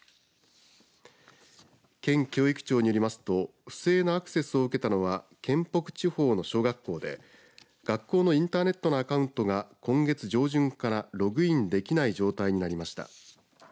県教育庁によりますと不正なアクセスを受けたのは県北地方の小学校で学校のインターネットのアカウントが今月上旬からログインできない状態になりました。